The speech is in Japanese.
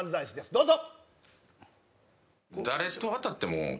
どうぞ。